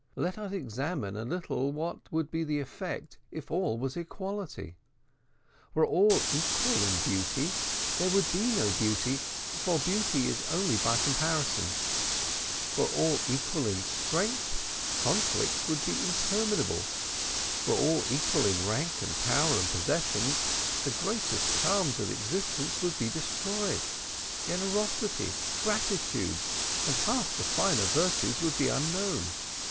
Let us examine a little what would be the effect if all was equality. Were all equal in beauty, there would be no beauty, for beauty is only by comparison were all equal in strength, conflicts would be interminable were all equal in rank, and power, and possessions, the greatest charms of existence would be destroyed generosity, gratitude, and half the finer virtues would be unknown.